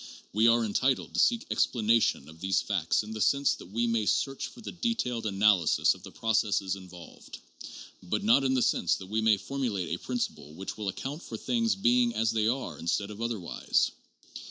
"We are entitled to seek explanation of these facts in the sense that we may search for the detailed analysis of the processes involved, but not in the sense that we may formulate a principle which will account for things being as they are instead of otherwise.